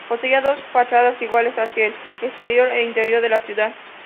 Poseía dos fachadas iguales hacia el exterior e interior de la ciudad.